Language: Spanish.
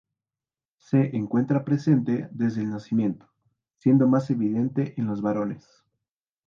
Se encuentra presente desde el nacimiento, siendo más evidente en los varones.